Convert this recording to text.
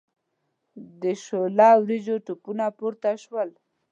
د شوله وریجو تپونه پورته شول.